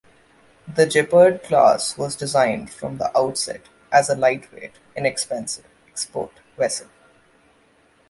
The Gepard class was designed from the outset as a lightweight, inexpensive export vessel.